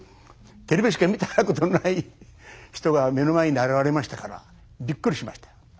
テレビしか見たことない人が目の前に現れましたからびっくりしました。